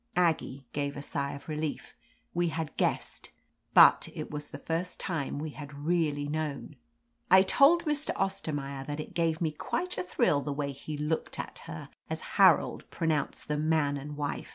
" Aggie gave a sigh of relief ; we had guessed, but it was the first time we had really known. *T told Mr. Ostermaier that it gave me quite a thrill the way he looked at her as Harold pronounced them man and wife.